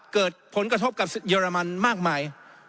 เกิดผลกระทบกับเยอรมันมากมาย